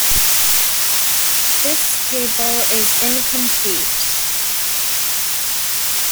This table is incomplete.